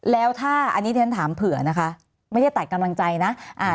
แล้วถ้าอันนี้ที่ฉันถามเผื่อนะคะไม่ได้ตัดกำลังใจนะอ่า